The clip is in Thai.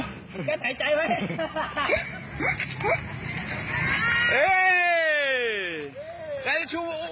แม้ไหว